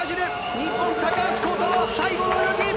日本、高橋航太郎、最後の泳ぎ。